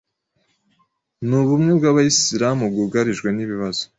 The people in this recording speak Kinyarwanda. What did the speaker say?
n’ubumwe bw’abayislamu bwugarijwe n’ibibazo,